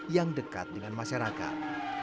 yang dekat dengan masyarakat